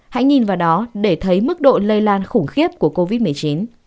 hãy nhìn vào đó để thấy mức độ lây lan khủng khiếp của covid một mươi chín